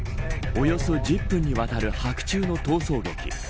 およそ１０分にわたる白昼の逃走劇。